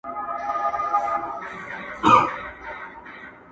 يوه مياشت وروسته ژوند روان دی،